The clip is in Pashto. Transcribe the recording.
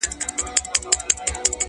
او چي غټ سي په ټولۍ کي د سیالانو!